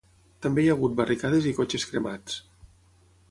També hi ha hagut barricades i cotxes cremats.